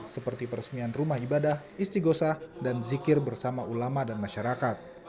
seperti peresmian rumah ibadah istighosah dan zikir bersama ulama dan masyarakat